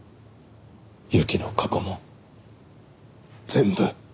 侑希の過去も全部。